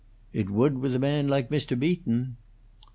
"It would with a man like Mr. Beaton!"